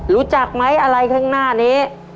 รู้จักไหมอะไรข้างหน้านี้